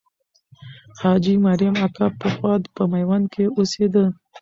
حاجي مریم اکا پخوا په میوند کې اوسېده.